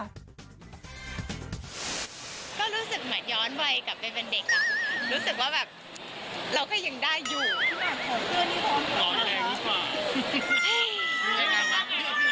ก็รู้สึกเหมือนย้อนวัยกลับไปเป็นเด็กอ่ะ